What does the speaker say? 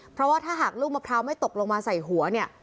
เพราะว่าถ้าหากลูกมะพร้าวไม่ตกลงมาใส่หัวเนี่ย